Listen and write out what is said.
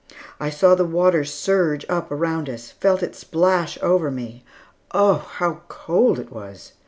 I saw the water surge up around us, felt it splash over me! Oh, how cold it was!